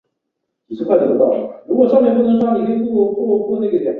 九龙溜冰场位于九龙旺角弥敦道与亚皆老街。